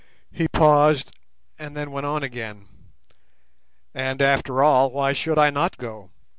He paused, and then went on again. "And, after all, why should I not go?